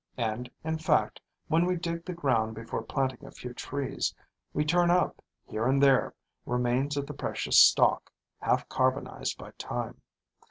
And, in fact, when we dig the ground before planting a few trees, we turn up, here and there, remains of the precious stock, half carbonized by time.